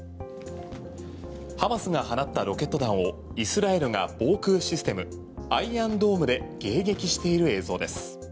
ハマスが放ったロケット弾をイスラエルが防空システム、アイアンドームで迎撃している映像です。